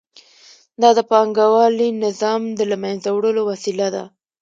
دا د پانګوالي نظام د له منځه وړلو وسیله ده